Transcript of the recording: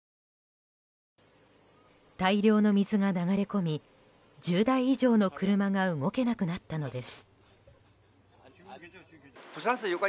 大量の水が流れ込み１０台以上の車が動けなくなったのです。